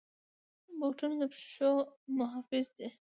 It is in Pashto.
بوټونه د پښو محافظ دي.